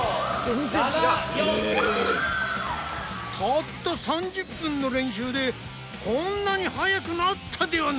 たった３０分の練習でこんなに速くなったではないか！